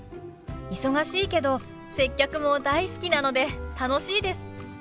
忙しいけど接客も大好きなので楽しいです。